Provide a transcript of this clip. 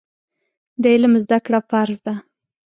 د علم زده کړه فرض ده.